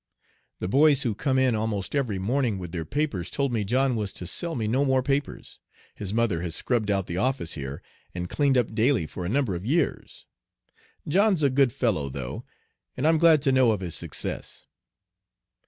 The boys who come in almost every morning with their papers told me John was to sell me no more papers. His mother has scrubbed out the office here, and cleaned up daily for a number of years. John's a good fellow though, and I'm glad to know of his success."